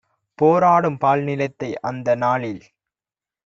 போராடும் பாழ்நிலத்தை அந்த நாளில்